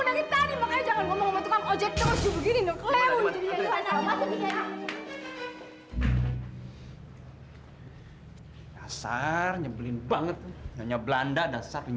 kamu tahu enggak aku menunggu kamu dari kemarin